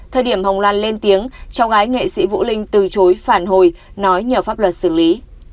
thời điểm hồng lan lên tiếng cháu gái nghệ sĩ vũ linh từ chối phản hồi nói nhờ pháp luật xử lý